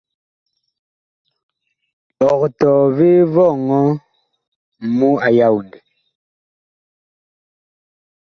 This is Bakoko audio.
Ɔg tɔɔ vee vɔŋɔ mu a yaodɛ ?́.